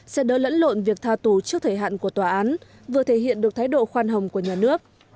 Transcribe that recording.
sẽ đỡ lẫn lộn việc tha tù trước thời hạn của tòa án vừa thể hiện được thái độ khoan hồng của nhà nước